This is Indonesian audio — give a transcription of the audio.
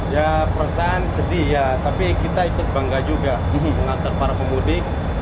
ya perasaan sedih tapi kita bangga juga mengantar para pemudi